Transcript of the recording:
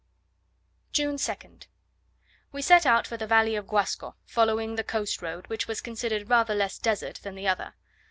June 2nd. We set out for the valley of Guasco, following the coast road, which was considered rather less desert than the other.